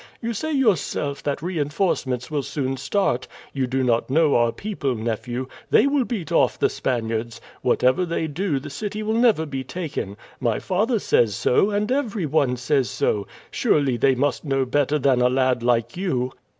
You say yourself that reinforcements will soon start. You do not know our people, nephew. They will beat off the Spaniards. Whatever they do, the city will never be taken. My father says so, and every one says so. Surely they must know better than a lad like you!"